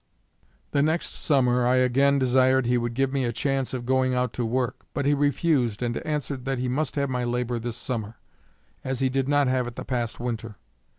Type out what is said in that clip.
The next summer I again desired he would give me a chance of going out to work. But he refused and answered that he must have my labor this summer, as he did not have it the past winter.